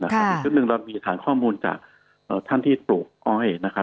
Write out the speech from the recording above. อีกชุดหนึ่งเรามีฐานข้อมูลจากท่านที่ปลูกอ้อยนะครับ